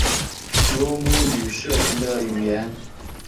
罗姆语社群的语言。